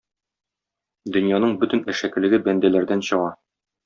Дөньяның бөтен әшәкелеге бәндәләрдән чыга.